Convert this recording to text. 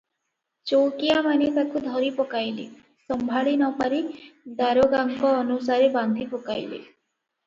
ଚଉକିଆମାନେ ତାକୁ ଧରିପକାଇଲେ; ସମ୍ଭାଳି ନପାରି ଦାରୋଗାଙ୍କ ଅନୁସାରେ ବାନ୍ଧି ପକାଇଲେ ।